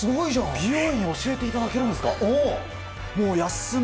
美容院、教えていただけるんですか？